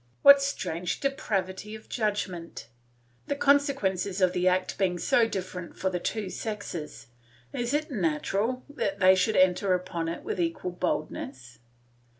What strange depravity of judgment! The consequences of the act being so different for the two sexes, is it natural that they should enter upon it with equal boldness?